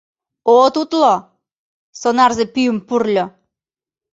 «От утло!» — сонарзе пӱйым пурльо.